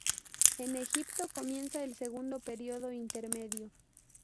En Egipto comienza el segundo periodo intermedio.